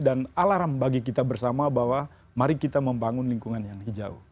dan alam bagi kita bersama bahwa mari kita membangun lingkungan yang hijau